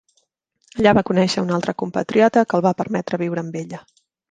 Allà va conèixer un altre compatriota que el va permetre viure amb ella.